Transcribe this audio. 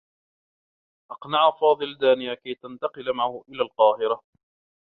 أقنع فاضل دانية كي تنتقل معه إلى القاهرة.